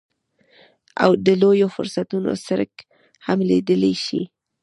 د لویو فرصتونو څرک هم لګېدلی شي.